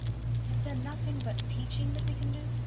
"Is there nothing but teaching that we can do?"